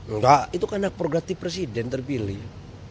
enggak itu karena progratif presiden terpilih